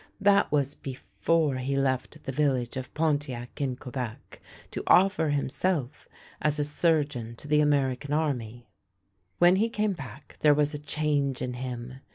That was before he left the village of Pontiac in Quebec to offer himself as a surgeon to the American Army. When he came back there was a change in him.